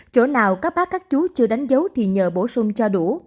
chỗ nào các bác các chú chưa đánh dấu thì nhờ bổ sung cho đủ